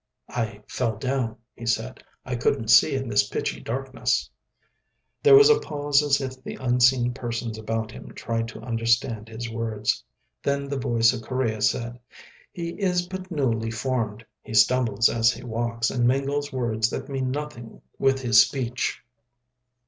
"I fell down," he said; "I couldn't see in this pitchy darkness." There was a pause as if the unseen persons about him tried to understand his words. Then the voice of Correa said: "He is but newly formed. He stumbles as he walks and mingles words that mean nothing with his speech."